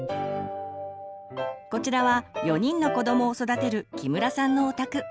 こちらは４人の子どもを育てる木村さんのお宅。